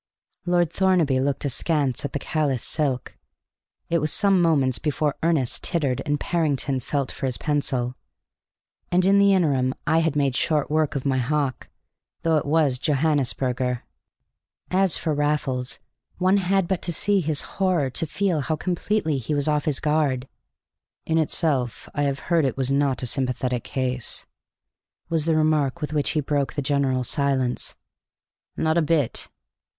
Lord Thornaby looked askance at the callous silk. It was some moments before Ernest tittered and Parrington felt for his pencil; and in the interim I had made short work of my hock, though it was Johannisberger. As for Raffles, one had but to see his horror to feel how completely he was off his guard. "In itself, I have heard, it was not a sympathetic case?" was the remark with which he broke the general silence. "Not a bit."